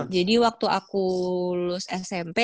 jadi waktu aku lulus smp